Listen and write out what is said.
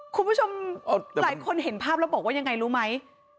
คุณผู้ชมหลายคนเห็นภาพแล้วบอกว่ายังไงรู้ไหม